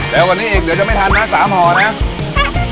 เร็วกว่านี้อีกเดี๋ยวจะไม่ทันนะสามห่อนะ